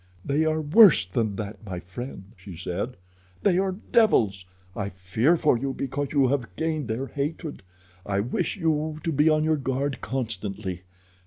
"They are worse than that, my friend," she said. "They are devils. I fear for you because you have gained their hatred. I wish you to be on your guard constantly.